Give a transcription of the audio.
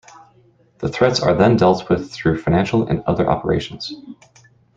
The threats are then dealt with through financial and other operations.